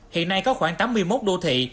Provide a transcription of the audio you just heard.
hiện nay có khoảng tám mươi một đô thị